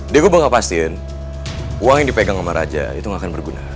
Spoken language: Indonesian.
diego bakal pastiin uang yang dipegang sama raja itu gak akan berguna